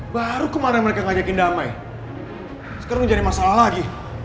baru kemarin mereka ngajakin damai sekarang menjadi masalah lagi